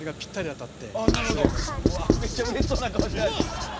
めっちゃうれしそうな顔してはる。